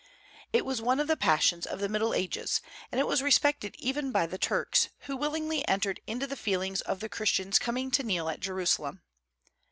It was one of the passions of the Middle Ages, and it was respected even by the Turks, who willingly entered into the feelings of the Christians coming to kneel at Jerusalem.